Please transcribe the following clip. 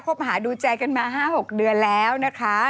บหาดูใจกันมา๕๖เดือนแล้วนะคะ